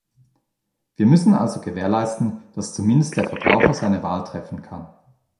Wir müssen also gewährleisten, dass zumindest der Verbraucher seine Wahl treffen kann.